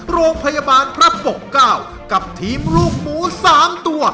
โรงพยาบาลพระปกเก้ากับทีมลูกหมู๓ตัว